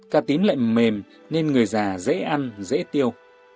cà tím lệnh mềm nên người già dễ ăn dễ tiêu